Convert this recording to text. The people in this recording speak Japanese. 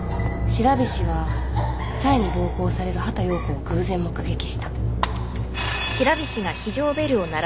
白菱はサイに暴行される畑葉子を偶然目撃した。